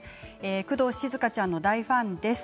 工藤静香ちゃんの大ファンです。